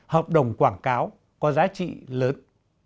hợp đồng quảng cáo có giá trị lớn